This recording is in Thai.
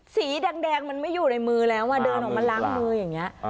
สีแดงมันไม่อยู่ในมือแล้วเดินออกมาล้างมืออย่างนี้